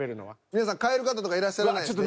皆さん変える方とかいらっしゃらないですね？